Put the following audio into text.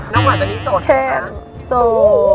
น้องขวัญตอนนี้โสดนะคะ